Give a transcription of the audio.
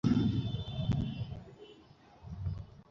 আমি চাই, আপনি বুঝতে পারলে মাথা নাড়ুন, অফিসার।